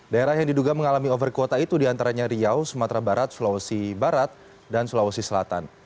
daerah yang diduga mengalami over kuota itu diantaranya riau sumatera barat sulawesi barat dan sulawesi selatan